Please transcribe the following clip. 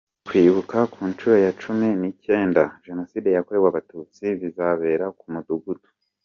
Kwibuka ku nshuro ya cumi ni cyenda Jenoside yakorewe Abatutsi bizabera ku mudugudu